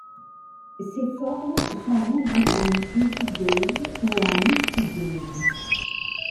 Ces formes sont vendues en unidose ou en multidose.